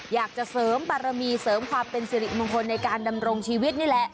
อยากจะเสริมบารมีเสริมความเป็นสิริมงคลในการดำรงชีวิตนี่แหละ